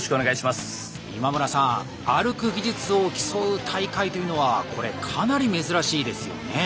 今村さん「歩く技術」を競う大会というのはこれかなり珍しいですよね？